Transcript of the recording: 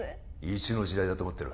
いつの時代だと思ってる？